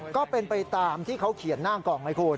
ก็เป็นไปตามที่เขาเขียนหน้ากล่องไหมคุณ